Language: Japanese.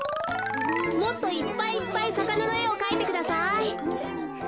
もっといっぱいいっぱいさかなのえをかいてください。